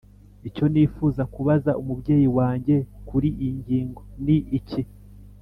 Icyo nifuza kubaza umubyeyi wanjye kuri iyi ngingo ni iki